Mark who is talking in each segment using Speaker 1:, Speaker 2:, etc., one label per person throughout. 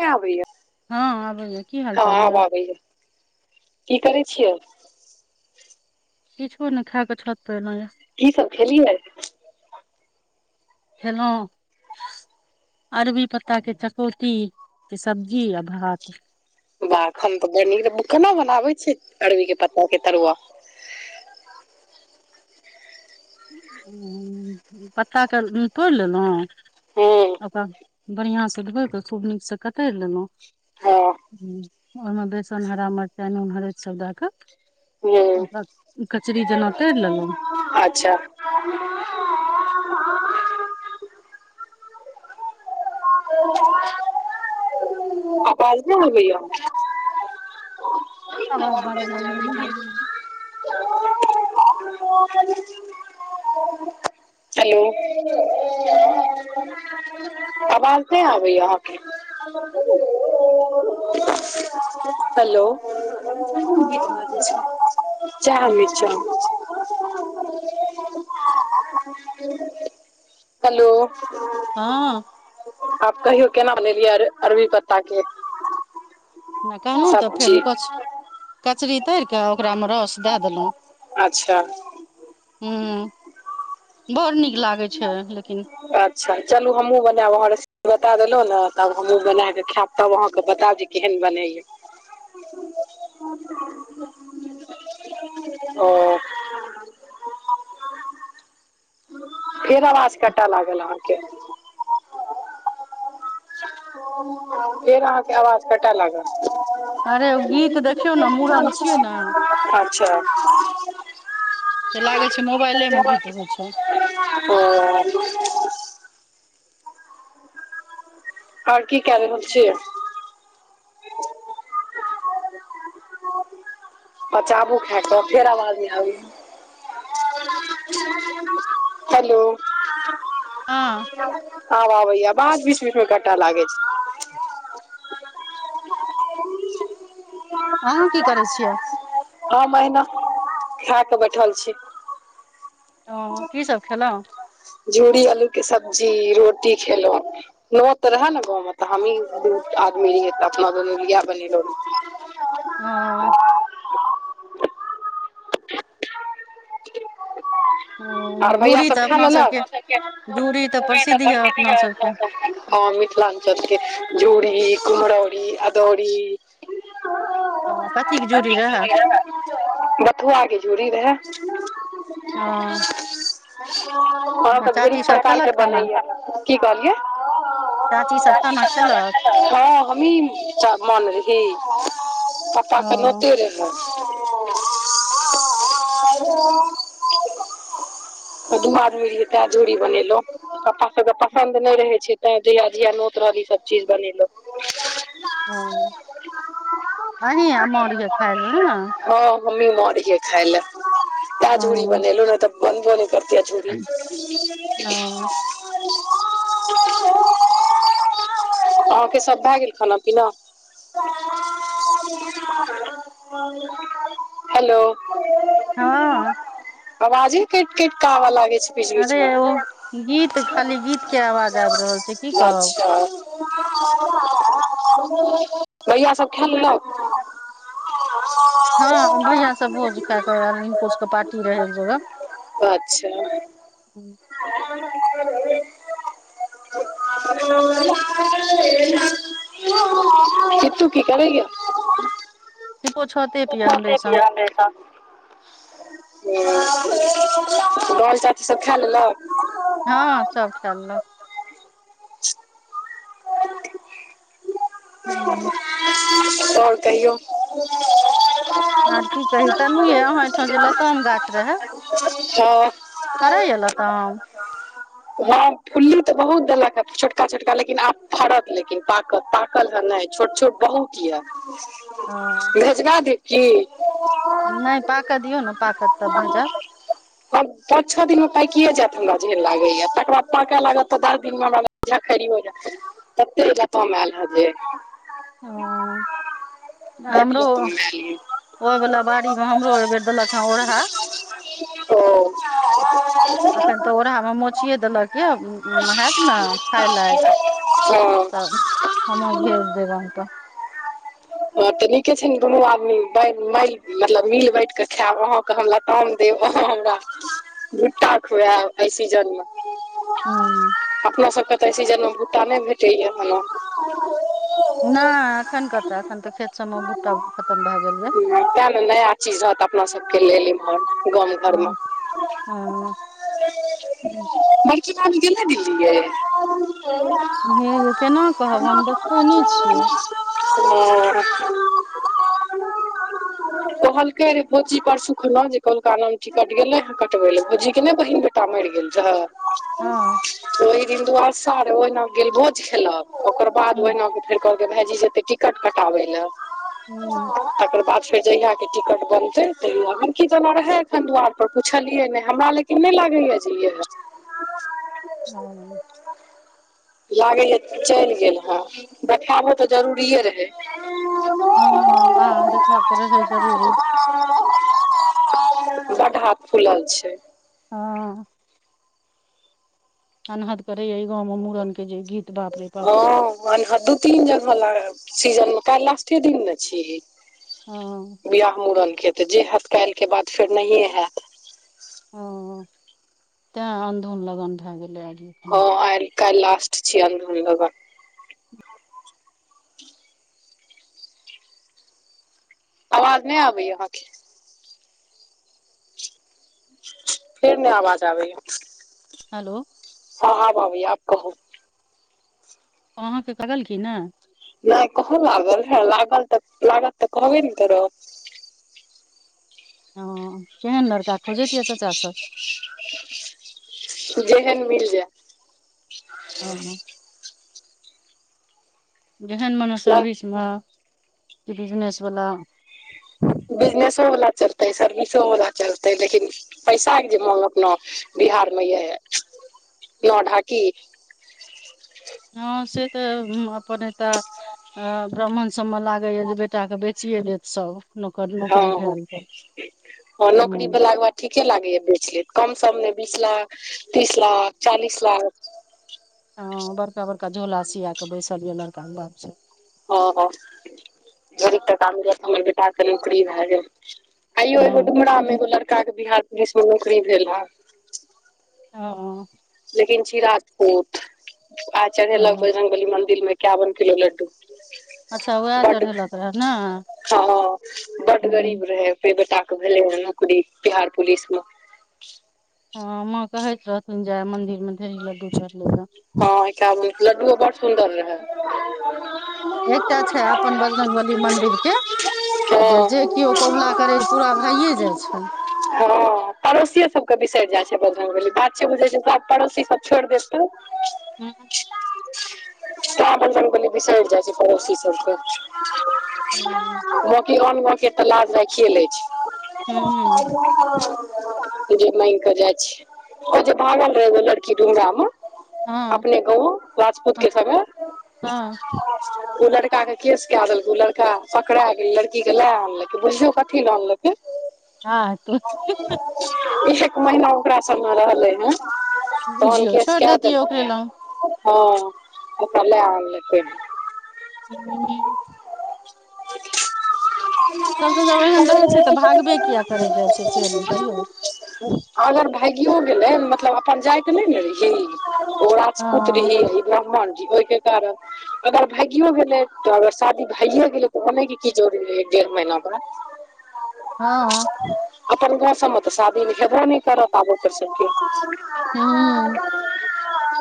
Speaker 1: नै आबैये
Speaker 2: हँ आबै य की हाल चाल यऽ
Speaker 1: की करै छियै
Speaker 2: किछो नहि खाय कऽ छत ऐलो
Speaker 1: की सब खेलियै
Speaker 2: खेलहुँ अरबी पत्ताके चकौती के सब्जी आ भात
Speaker 1: बा अखन तऽ बड़ी नीक केना बनाबे छियै अरबी के पत्ता के तरुआ
Speaker 2: पत्ताके तोड़ लेलु
Speaker 1: हूँ
Speaker 2: ओकरा बढ़ियाँ सँ धोइके तऽ खूब नीकसँ कतरि लेलहुँ
Speaker 1: हँ
Speaker 2: ओहिमे बेसन हरा मरचाइ नून हरदि सब दए कऽ
Speaker 1: हूँ
Speaker 2: ओकरा कचरी जेना तैर लेलो
Speaker 1: अच्छा आबाज नै अबैय [inaudible] [inaudible]
Speaker 2: आवाज बाजऽ लागल
Speaker 1: हेलो आवाज नहि आबैय अहाँके हेलो ज हामिद छौ [unintelligible] हेलो
Speaker 2: हँ
Speaker 1: आब कहियौ केना बनेलियै अरबी पत्ता के
Speaker 2: ओना कहलहुँ तऽ फेर
Speaker 1: सब्जी
Speaker 2: ओ कच कचरी तरि के ओकरामे रस दए देलहुँ
Speaker 1: अच्छा
Speaker 2: हु बड़ नीक लागै छै लेकिन
Speaker 1: अच्छा चलू हमहूँ बनाबहर बता देलहुँ ने तब हमहूँ बना कऽ खायब तब अहाँके बताब जे केहन बनैय ओ फेर आवाज कटाय लागल अहाँके फेर अहाँके आवाज कटय लागत
Speaker 2: अरे ओ गीत देखियौ ने मूड़न छियै ने
Speaker 1: अचा
Speaker 2: तऽ लागै छै मोबाइलेमे गीत होइ छै
Speaker 1: त आर की क हो छै अचछबू खा क फेर आवाज आब हेलो
Speaker 2: हँ
Speaker 1: आब आबैये आबाज बीच बीच मे कटै लागे छै
Speaker 2: अहाँ की करै छियै
Speaker 1: हम अहिना खाय कऽ बैठल छी
Speaker 2: ओ की सब खेलहुँ
Speaker 1: जूरीी आलू के सब्जी रोटी खेलहुँं न तऽ रहै ने गाँवमे तऽ हमी दू आदमी रहियै तऽ अपना बनल इ बनलो
Speaker 2: ह
Speaker 1: आर भैया
Speaker 2: जूरी
Speaker 1: सब
Speaker 2: तऽ
Speaker 1: खा
Speaker 2: अपना
Speaker 1: लेलक
Speaker 2: सबके जूरी तऽ प्रसिद्ध यऽ
Speaker 1: प्रसिद्
Speaker 2: अपना सबके
Speaker 1: य हँ मिथिलाञ्चल के झूरी कुमरौरीअदौरी
Speaker 2: हँ कथी के जूरी रहै
Speaker 1: बथू आके झूड़री रहह ह
Speaker 2: हँ
Speaker 1: अचा अह तऽ ढेर
Speaker 2: चाची सब
Speaker 1: प्रकारके
Speaker 2: खेलक खाना
Speaker 1: बनैया की कहलियै
Speaker 2: चाची सब खाना खेलक
Speaker 1: हँ हमही मन री पापा के
Speaker 2: ओ
Speaker 1: नते रहे ह ओद बादबरीए तै जोी बने लो पपा सभके पसन्द नहि रहै छै तैँ जया जया नोत रहल ई सभ चीज बनेलहुँ
Speaker 2: ह अ आम अरिक खायल ने
Speaker 1: हँ हम्मी मरीिय खाय ल त झूरीी
Speaker 2: ओ
Speaker 1: बनेलु ने तऽ बनबो न करती आ झूड़ी
Speaker 2: ओ
Speaker 1: अहाँके सभ भए गेल खाना पीना हेलो
Speaker 2: हँ
Speaker 1: अवाजे केटकेटका आव लागे छै बीच बीच
Speaker 2: अरे
Speaker 1: मे
Speaker 2: ओ गीत खाली गीत के आवाज आबि रहल छै की कहब
Speaker 1: अच्छा गैय सभ खा लेलक
Speaker 2: हँ बढ़आँ से भोज खा कर चोर चपाटीरहै एक जगह
Speaker 1: आ क तू की करेग
Speaker 2: हिनको छते पे ये हमरे
Speaker 1: ओछोते
Speaker 2: संग
Speaker 1: पिया हमे त ह बल चाच सब खा लेलक
Speaker 2: हँ सब खेलल हँ
Speaker 1: आओर कहियौ
Speaker 2: आर की कही तेनू ये अहाँ हिठाम जे लताम गाछ रहे
Speaker 1: हँ
Speaker 2: फरैया लताम
Speaker 1: हँ फुल्ली तऽ बहुत देलकए ह छोटका छोटका लेकिन आब फड़त लेकिन पाकत पाकल हे नहि छोट छोट बहुत यऽ
Speaker 2: हँ
Speaker 1: भेजगा दि की
Speaker 2: नहि पाक दियौ ने पाकत त भेजब
Speaker 1: पाँच छो दिन मे पाकिए जायत हमरा जेहन लागैया तकर बाद पाकय लागत तऽ दस दिनमे हम ख हो तबे इ कम आयल ह जे
Speaker 2: हँ
Speaker 1: बड लताम एल ऐ
Speaker 2: ओ वाला बाड़ी मे हमरो ओ बेेर देलक हे ओरहा
Speaker 1: हँ [unintelligible]
Speaker 2: अखन तऽ ओढ़ा मे मोचिये देलक य हत ने खाय लायक
Speaker 1: ओ
Speaker 2: तब समज भेज देेव
Speaker 1: ह [unintelligible] ह तऽ नीके छै ने दुनू आदमी म मतलब मिल बैठ क खायब अहाँ हम लताम देब आहां हमरा भुट्टा खुआएब एहि सीजनमे
Speaker 2: हँ
Speaker 1: अपना सभके तऽ एहि सीजनमे भुटटा नहि भेटैए हन
Speaker 2: नहि एखन कतऽ एखन तऽ खेत सब मे बूटा खतम भए गेल यै
Speaker 1: तैँ न नया चीज रहत अपना सभके लेल इमहर गाम घरमे
Speaker 2: हँ हँ ह
Speaker 1: कि भाबी गैलै दिल्लीे ह [unintelligible]
Speaker 2: हे य केना कहब हम द खैनै छियौ
Speaker 1: म [unintelligible] कहलकै रे भौजी पर सुखल जे कहलका आम ट कट गेले हे कटबे ले भौजी के नहि बहिन ताम गेल छै
Speaker 2: हँ
Speaker 1: ओहि दिन दुआसा रे ओहिना गेल भोज खेलक ओकर बाद
Speaker 2: हँ
Speaker 1: ओहिना फेर कहलक भायजी जेतै टिकट कटाबै ल तकर बाद छै जहिया के टिकट बनतै तहिया हम की जेना रहे एखन दआर पर पुछलियै नहि हमरा ल कने लागै या
Speaker 2: हँ
Speaker 1: लागैए चलि गेल हेँ देखायबो तऽ जरूरिए रहै
Speaker 2: हँ हँ आ देखा त रहोइ जरुरी
Speaker 1: बढ़ हाथ फुलल छै
Speaker 2: हँ अनहद करे या ई गाँव मे मूड़न के जे गीत बाप रे बाप
Speaker 1: हँ ए दू तीन जगह ला सीजन मे काल्हि लास्टे दिन ने छीय
Speaker 2: हँ
Speaker 1: बिआह मुड़नके तऽ जे हथ काल के बाद फेर नहिए हयत
Speaker 2: ओ तें अन्धोन लगन भए गेलै आभी
Speaker 1: हँ आइ काल लास्ट छीय अन्धुनलगन आवाज नहि आबै या अहाँके फेर नहि आवाज आबैए
Speaker 2: हलो
Speaker 1: हाँ आब आब या आब कहू
Speaker 2: अहाँके करल की नहि
Speaker 1: नहि कहां लागल हए लागल तऽ लागल तऽ कहबे न करब
Speaker 2: ह केहन लरका खोजै ए चचा सब
Speaker 1: जेहन मिल जाय
Speaker 2: ह जेहन मने
Speaker 1: जाय
Speaker 2: सर्विसमे की बिजनेसवला [unintelligible]
Speaker 1: बिजनेसो वला चलतै, सर्विसो वला चलतै लेकिन पैसाके जे मांग अपना बिहार मे यऽ नौ ढाकी
Speaker 2: हॅं, से तऽ अपन एतय ब्राह्मण सब मे लागे या जे बेटा के बेसी सल उत्सव [unintelligible]
Speaker 1: हँ हँ, नौकरी
Speaker 2: हूँ
Speaker 1: भेलाक बाद ठीके लागे या बेच लेत। कम सॅं कम, बीस लाख तीस लाख चालीस लाख
Speaker 2: हँ, बड़का बड़का झोला सिया कऽ बैसल यऽ लड़काके बाप सभ
Speaker 1: हँ हॅं, झोडि टंगा लेत [unintelligible] हमर बेटाके नोकरी भए गेल। आइयो एगो
Speaker 2: हँ
Speaker 1: डुमरामे एगो लड़काके बिहार पुलिसमे नौकरी भेल हन
Speaker 2: हॅं
Speaker 1: लेकिन छी राजपूत आ चढ़ेलक
Speaker 2: हँ
Speaker 1: बजरंगबली मंदिरमे एकावन किलो लड्डू
Speaker 2: अच्छा उएह
Speaker 1: बड्ड,
Speaker 2: चढ़ेलक रहे ने
Speaker 1: हँ बड्ड गरीब रहै। बेटाके भेलै हन नोकरी बिहार पुलिसमे
Speaker 2: हॅं, ममाँ कहैथ रहथिन जे मंदिरमे ढेरी लड्डू चढ़लै हन
Speaker 1: हँ, एकावन किलो। लड्डूओ बड़ सुन्दर रहै।
Speaker 2: एकटा छै अपन बजरंगबली मंदिरके जे जे
Speaker 1: हँ
Speaker 2: केओ कबूला करैए ओ पूरा भइए जाइ छै।
Speaker 1: हँ, पड़ोसिये सबके बिसरि जाइ छथिन बजरंगबली। बात छै बुझै छथिन पड़ोसी सब छोड़ि [unintelligible] देब तू
Speaker 2: हूॅं
Speaker 1: तेॅं, बजरंगबली बिसरि जाइ छथिन पड़ोसी सबके बाँकी आन गामके तऽ लाज राखिए लै छै
Speaker 2: हूँ हूँ
Speaker 1: जे मांगि कऽ जाइ छै, ओ जे भागल रहै एगो लड़की क [unintelligible] डुंगरामे
Speaker 2: हँ
Speaker 1: अपने गौंआ राजपूतके संगे ओ लड़काके केस कए देलकै। ओ लड़का पकड़ा गेलै। लड़कीके लए आनलकै। बुझियो कथी लए आनलकै
Speaker 2: हँ तऽ
Speaker 1: एक महीना ओकरा संगे रहलै हन तहन
Speaker 2: बुझियौ
Speaker 1: केस
Speaker 2: छोड़ि
Speaker 1: कए
Speaker 2: देतियै ओकरे
Speaker 1: देलकै।
Speaker 2: लग
Speaker 1: हँ, ओकरा लए अनलकै
Speaker 2: हूॅं
Speaker 1: [unintelligible]
Speaker 2: सबस जब एहन रहै छै तऽ भागबे किया करै जाइ छै से ने कहियौ
Speaker 1: अगर भागियो गेलै मतलब अपन जाति नहि ने रहै। ओ राजपूत
Speaker 2: हँ
Speaker 1: रहै ब्राह्मण छी [unintelligible] अगर भागियो गेलै तऽ अगर शादी भइये गेलै तऽ आनै के की जरूरी रहै एक डेढ़ महीना पर [inaudible]
Speaker 2: हँ
Speaker 1: अपन गाँव सबमे तऽ शादीम हेबो नहि करत आब ओकर सबके
Speaker 2: हूॅं
Speaker 1: [inaudible]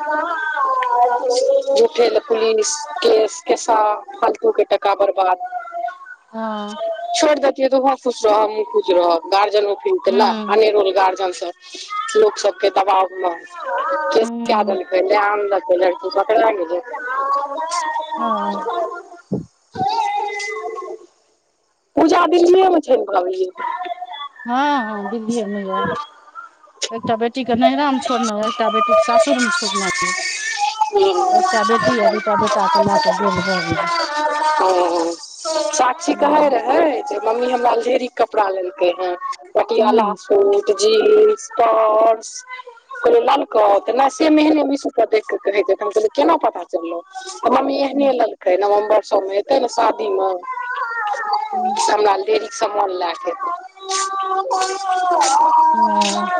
Speaker 1: झूठे लए पुलिस, केस-केसा फालतूके टका बर्बाद छोड़ दैतियै तऽ तहूॅं खुश रह। हमहुँ खुश रहब गार्जयनोके [unintelligible]
Speaker 2: हूँ
Speaker 1: अनेरोमे गार्जियन सब लोक सबके दबावमे केस कए
Speaker 2: हूँ
Speaker 1: देलकै, लए आनलकै लड़की पकड़ा गेलै
Speaker 2: हँ
Speaker 1: पूजा दिल्लिएमे छनि [unintelligible]
Speaker 2: हँ, हँ दिल्लीएमे यए एकटा बेटीके नैहरामे छोड़नेयै, एकटा बेटीके सासुरमे छोड़ने यए एकटा बेटी आ दूटा बेटाे लए कऽ गोल भए गेल
Speaker 1: [inaudible] हँ सक्षी कहे
Speaker 2: गेल
Speaker 1: रहे जे मम्मी हमरा ढेरिक कपड़ा लेलकै हे पटियाला
Speaker 2: हूँ
Speaker 1: सूट जीन्स टाँपस कहल नलकत त ने से मेहने मिशूप देख क कहे छै हम कहलिय केना पता मम्मी एहने लेलकै नवम्बर सब मे एतै न शादी मऽ
Speaker 2: हूँ
Speaker 1: हमरा ल ढेरिक समान लए क एतै
Speaker 2: हँ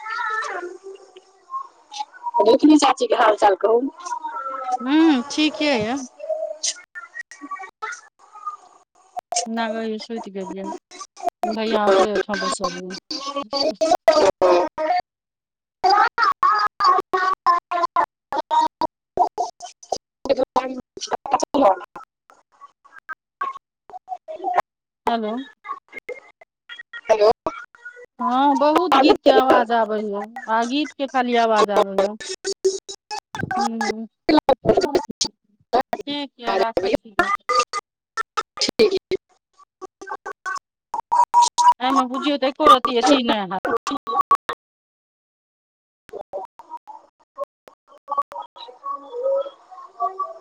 Speaker 1: [unintelligible] चाची के हालचाल कहुँ
Speaker 2: हूँ ठीके यऽ नाग सुति गेलियै भैया ओकरे ओहिठाम बैसल यऽ
Speaker 1: [inaudible] [inaudible] [inaudible] [inaudible]
Speaker 2: हेलो हँ बहुत गीत के आवाज आबे य आ गीत के खाली आवाज आबे य हुँ ठीक य राखै छी तऽ
Speaker 1: ठिक
Speaker 2: नहिमे बुझियौ एको रती अथि नहि हैत
Speaker 1: [inaudible]